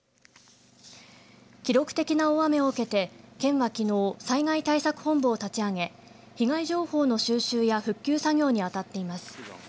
記録的な大雨を受けて県はきのう災害対策本部を立ち上げ被害情報の収集や復旧作業に当たっています。